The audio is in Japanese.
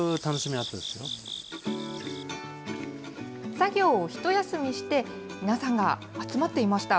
作業を一休みして、皆さんが集まっていました。